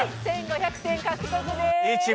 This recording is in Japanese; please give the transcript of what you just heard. １５００点獲得です！